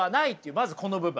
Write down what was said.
まずこの部分。